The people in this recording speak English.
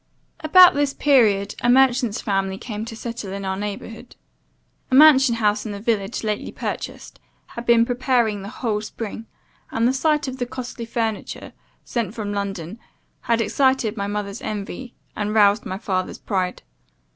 "About this period a merchant's family came to settle in our neighbourhood. A mansion house in the village, lately purchased, had been preparing the whole spring, and the sight of the costly furniture, sent from London, had excited my mother's envy, and roused my father's pride.